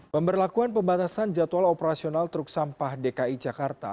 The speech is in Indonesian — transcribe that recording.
pemberlakuan pembatasan jadwal operasional truk sampah dki jakarta